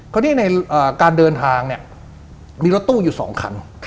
คนที่ในการเดินทางมีรถตู้อยู่๒คัน